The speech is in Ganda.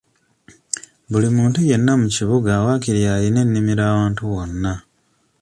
Buli muntu yenna mu kibuga waakiri alina ennimiro awantu wonna.